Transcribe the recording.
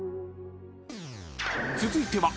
［続いては］